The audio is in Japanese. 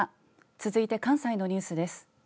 続いて関西のニュースです。